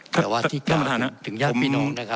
แต่ว่าที่ถึงญาติพี่น้องนะครับ